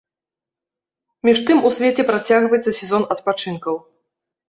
Між тым у свеце працягваецца сезон адпачынкаў.